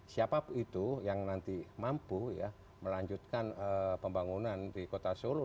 siapa itu yang nanti mampu ya melanjutkan pembangunan di kota solo